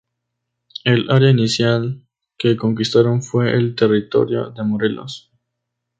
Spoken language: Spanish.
El área inicial que conquistaron fue el territorio de Morelos.